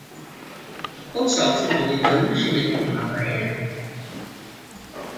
El sol simbolitza el naixement d'una nova era.